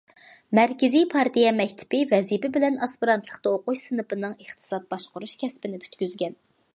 مەركىزىي پارتىيە مەكتىپى ۋەزىپە بىلەن ئاسپىرانتلىقتا ئوقۇش سىنىپىنىڭ ئىقتىساد باشقۇرۇش كەسپىنى پۈتكۈزگەن.